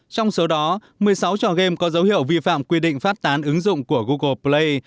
trong số đó một mươi sáu trò game có dấu hiệu vi phạm quy định phát tán ứng dụng của google play